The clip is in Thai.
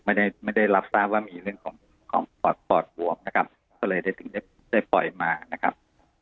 ไม่ได้รับทราบว่ามีเรื่องของปอดบวมนะครับก็เลยถึงได้ปล่อยมานะครับ